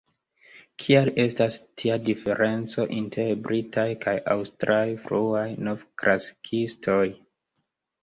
Kial estas tia diferenco inter britaj kaj aŭstraj fruaj novklasikistoj?